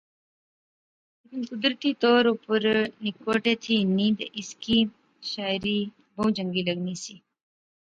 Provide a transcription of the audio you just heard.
لیکن قدرتی طور پر نکوٹے تھی ہنی اس کی شاعری بہوں چنگی لغنی سی